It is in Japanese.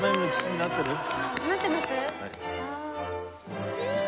なってます？